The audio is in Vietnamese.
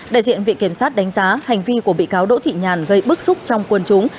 đại diện viện kiểm sát đánh giá hành vi của bị cáo đỗ thị nhàn gây bức xúc trong quân chúng